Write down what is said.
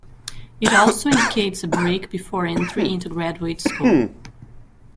It also indicates a break before entry into graduate school.